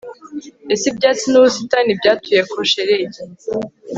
Ese ibyatsi nubusitani byatuye ko shelegi